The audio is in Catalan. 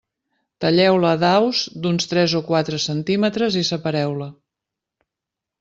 Talleu-la a daus d'uns tres o quatre centímetres i separeu-la.